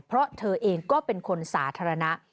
เพราะเธอเองก็เป็นคนสาธารณะ